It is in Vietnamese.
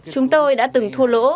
chúng tôi đã từng thua lỗ